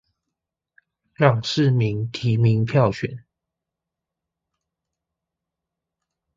讓市民提名票選